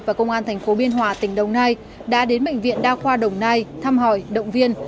và công an thành phố biên hòa tỉnh đồng nai đã đến bệnh viện đa khoa đồng nai thăm hỏi động viên